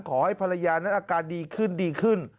ขอให้พระญาณักการดีขึ้นดีขึ้น